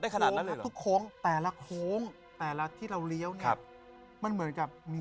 แจ๊คจิลวันนี้เขาสองคนไม่ได้มามูเรื่องกุมาทองอย่างเดียวแต่ว่าจะมาเล่าเรื่องประสบการณ์นะครับ